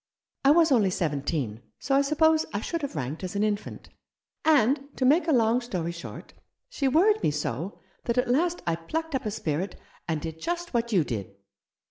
I was only seventeen, so I suppose I should have ranked as an infant. And to make a long story short, she worried me so that at last I plucked up a spirit, and did just what you did."